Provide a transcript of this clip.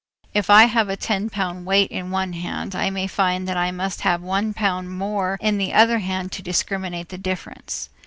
If I have a ten pound weight in one hand, I may find that I must have one pound more in the other hand to discriminate the difference.